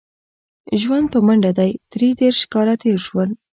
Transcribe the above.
ژوند په منډه دی درې دېرش کاله تېر شول.